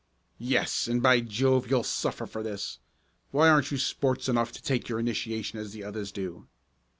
"Yes, and by Jove, you'll suffer for this! Why aren't you sports enough to take your initiation as the others do?"